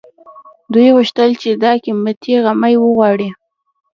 دوی غوښتل چې دا قيمتي غمی وغواړي